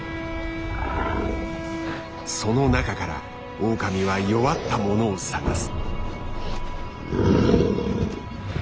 その中からオオカミは弱ったものを探す。